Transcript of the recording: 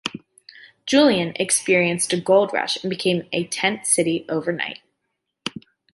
Julian experienced a gold rush and became a tent city overnight.